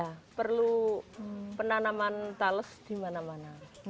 jadi perlu penanaman talas dimana mana